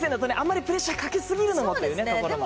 あんまりプレッシャーをかけ過ぎるのも。